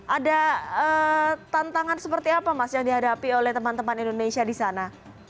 ada tantangan seperti apa mas yang dihadapi oleh teman teman indonesia di sana